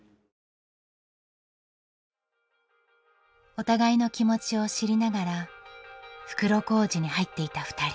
お互いの気持ちを知りながら袋小路に入っていたふたり。